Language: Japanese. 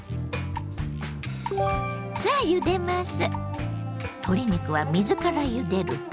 さあゆでます。